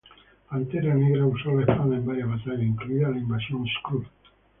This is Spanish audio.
Pantera Negra usó la espada en varias batallas, incluida la invasión Skrull.